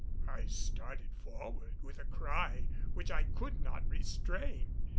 I started forward, with a cry which I could not restrain.